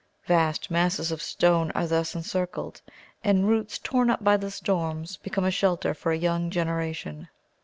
Vast masses of stone are thus encircled, and roots torn up by the storms become a shelter for a young generation.